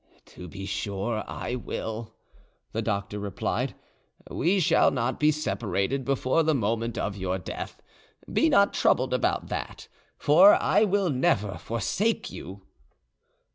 "To be sure I will," the doctor replied; "we shall not be separated before the moment of your death: be not troubled about that, for I will never forsake you."